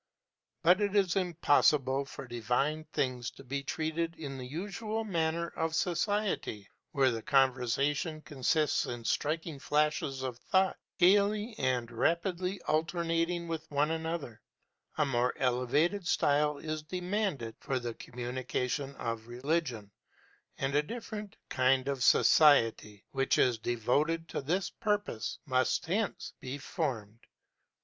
But it is impossible for divine things to be treated in the usual manner of society, where the conversation consists in striking flashes of thought, gaily and rapidly alternating with one another; a more elevated style is demanded for the communication of religion, and a different kind of society, which is devoted to this purpose, must hence be formed.